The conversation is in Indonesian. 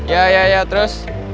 ya ya ya terus